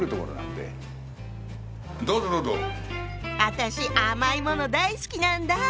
私甘いもの大好きなんだ。